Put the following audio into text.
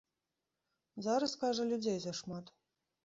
Зараз, кажа, людзей зашмат.